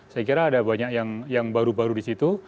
saya kira ada banyak yang baru baru disitu